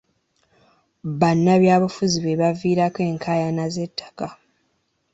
Bannabyabufuzi be baviirako enkaayana z'ettaka.